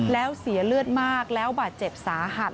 แล้วเสียเลือดมากแล้วบาดเจ็บสาหัส